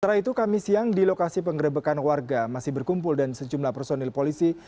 setelah itu kami siang di lokasi pengerebekan warga masih berkumpul dan sejumlah personil polisi